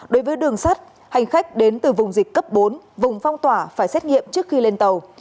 đối với đường sắt hành khách đến từ vùng dịch cấp bốn vùng phong tỏa phải xét nghiệm trước khi lên tàu